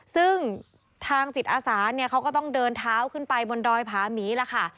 ซึ่งทางจิตอาสาเนี่ยเขาก็ต้องเดินเท้าขึ้นไปบนดอยผาหมีล่ะค่ะ